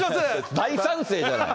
大賛成じゃない。